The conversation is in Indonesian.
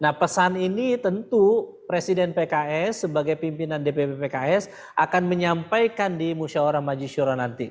nah pesan ini tentu presiden pks sebagai pimpinan dpp pks akan menyampaikan di musyawarah majisyura nanti